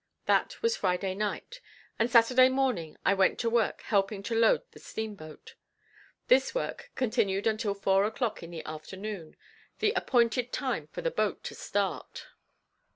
That was Friday night, and Saturday morning I went to work helping to load the steamboat. This work continued until four o'clock in the afternoon, the appointed time for the boat to start.